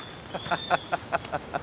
ハハハハ。